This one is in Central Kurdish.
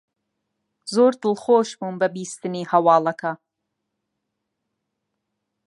زۆر دڵخۆش بووم بە بیستنی هەواڵەکە.